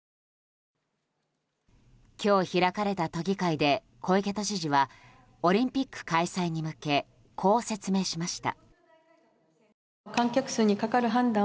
今日開かれた都議会で小池都知事はオリンピック開催に向けこう説明しました。